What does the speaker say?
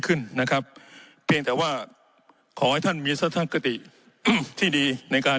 ขึ้นนะครับเพียงแต่ว่าขอให้ท่านมีสัทธกติที่ดีในการ